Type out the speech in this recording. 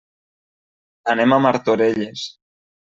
Anem a Martorelles.